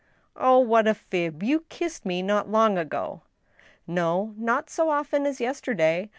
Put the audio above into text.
" Oh, what a fib ! You kissed me not long ago." " No ; not so often as yesterday.